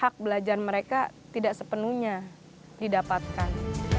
hak belajar mereka tidak sepenuhnya didapatkan